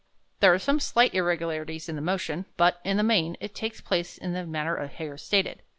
There are some slight irregularities in the motion, but, in the main, it takes place in the manner here stated.